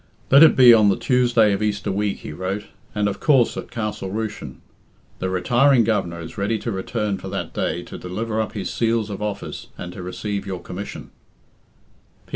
"Let it be on the Tuesday of Easter week," he wrote, "and of course at Castle Rushen. The retiring Governor is ready to return for that day to deliver up his seals of office and to receive your commission."